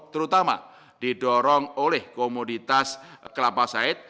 terutama didorong oleh komoditas kelapa said